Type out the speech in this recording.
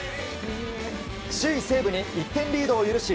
首位西武に１点リードを許し